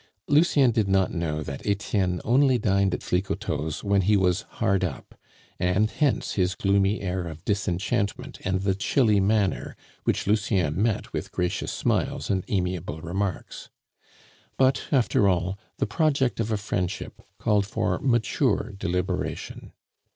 Lucien did not know that Etienne only dined at Flicoteaux's when he was hard up, and hence his gloomy air of disenchantment and the chilly manner, which Lucien met with gracious smiles and amiable remarks. But, after all, the project of a friendship called for mature deliberation.